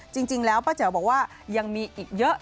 จริงแล้วป้าแจ๋วบอกว่ายังมีอีกเยอะ